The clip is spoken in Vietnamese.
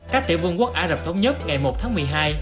các tiểu vương quốc ả rập thống nhất ngày một tháng một mươi hai